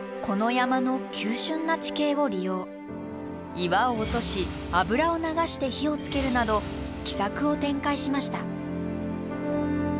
岩を落とし油を流して火をつけるなど奇策を展開しました。